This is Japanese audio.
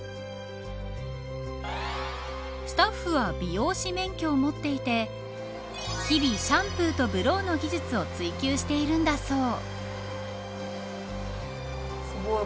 スタッフは美容師免許を持っていて日々、シャンプーとブローの技術を追求しているんだそう。